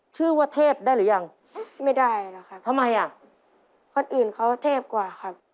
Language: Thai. แล้วออโต้เล่นในตำแหน่งอะไรครับ